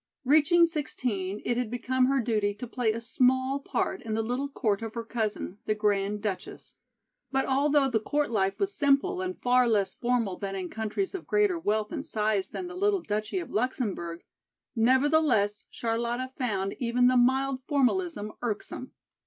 Reaching sixteen it had become her duty to play a small part in the little court of her cousin, the Grand Duchess. But although the court life was simple and far less formal than in countries of greater wealth and size than the little duchy of Luxemburg, nevertheless Charlotta found even the mild formalism irksome.